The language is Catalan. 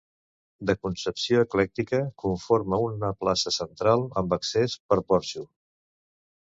De concepció eclèctica, conforma una plaça central, amb accés per porxo.